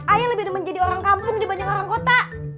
ayah lebih demen jadi orang kampung dibanding orang kota